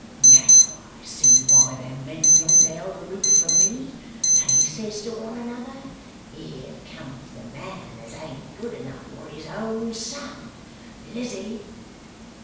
Now I see why them men yonder held aloof from me. They says to one another, "Here comes the man as ain't good enough for his own son!" Lizzie